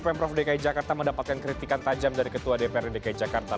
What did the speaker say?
pemprov dki jakarta mendapatkan kritikan tajam dari ketua dprd dki jakarta